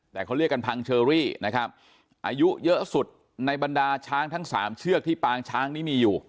แต่เขาเรียกกันพังเชอรี่นะครับอายุเยอะสุดในบรรดาช้างทั้งสามเชือกที่ปางช้างนี้มีอยู่